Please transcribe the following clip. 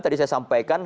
tadi saya sampaikan